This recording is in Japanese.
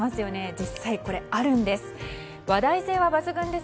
実際あるんです。